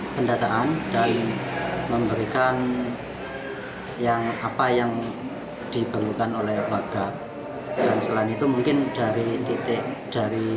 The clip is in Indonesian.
pendataan dan memberikan yang apa yang diperlukan oleh warga dan selain itu mungkin dari titik dari